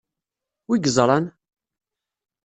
Wi yeẓran?